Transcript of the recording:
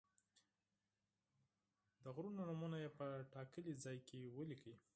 د غرونو نومونه یې په ټاکلي ځای کې ولیکئ.